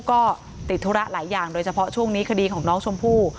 ก็ติดธุระหลายอย่างโดยเฉพาะช่วงนี้คดีของน้องชมพู่